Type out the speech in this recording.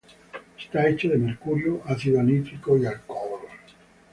Está hecho de mercurio, ácido nítrico y alcohol.